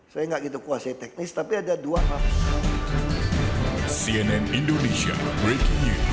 saya gak gitu kuasai teknis tapi ada dua pak